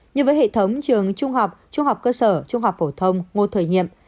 như với hệ thống trường trung học trung học cơ sở trung học phổ thông ngô thời nhiệm